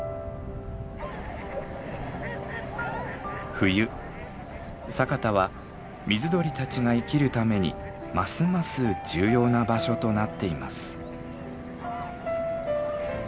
冬佐潟は水鳥たちが生きるためにますます重要な場所となっています。